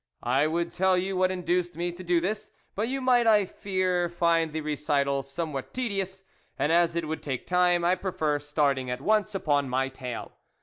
I would tell you what induced me to do this, but you might, I fear, find the recital some what tedious, and as it would take time, I prefer starting at once upon my tale.